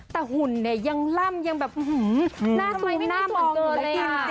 แต่หุ่นเนี่ยยังล่ำยังแบบหน้าทูมหน้ามันเกินเลยอะ